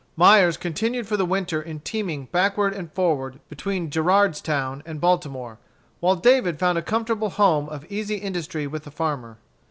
Myers continued for the winter in teaming backward and forward between Gerardstown and Baltimore, while David found a comfortable home of easy industry with the farmer.